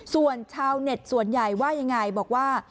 ส่วนชาวเน็ตส่วนใหญ่ว่ายังไงบอกว่า